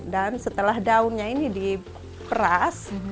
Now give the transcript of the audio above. dan setelah daunnya ini diperas